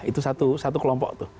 itu satu kelompok tuh